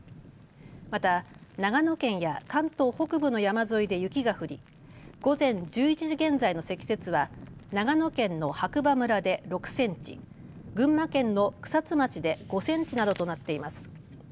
また長野県や関東北部の山沿いで雪が降り、午前１１時現在の積雪は長野県の白馬村で６センチ、群馬県の草津町で５センチなどとなっています。